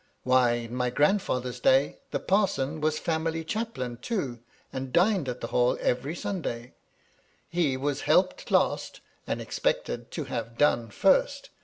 Why, in my grandfather's days, the parson was family chaplain too, and dined at the Hall every Sunday. He was helped last, and expected to have done first.